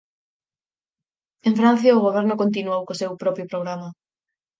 En Francio o goberno continuou co seu propio programa.